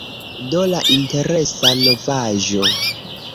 Do, la interesa novaĵo.